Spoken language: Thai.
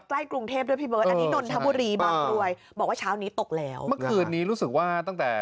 ใกล้กรุงเทพฯอันนี้นอนถ้าบุรีบางร้วย